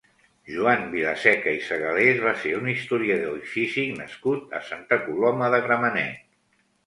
Joan Vilaseca i Segalés va ser un historiador i físic nascut a Santa Coloma de Gramenet.